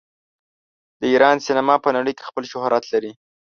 د ایران سینما په نړۍ کې خپل شهرت لري.